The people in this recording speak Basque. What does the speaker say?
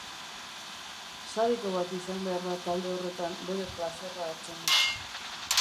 Sadiko bat izan behar da talde horretan, bere plazerra hartzen du.